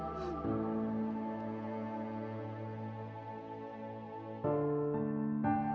kamu harus mencoba untuk mencoba